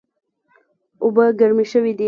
اوبه ګرمې شوې دي